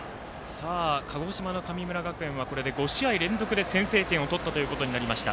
鹿児島の神村学園はこれで５試合連続で先制点を取ったということになりました。